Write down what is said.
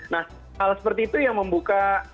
nah hal seperti itu yang membuka